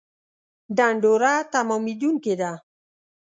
ډنډوره تمامېدونکې ده